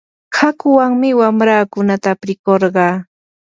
hakuwanmi wamraakunata aprikurqaa.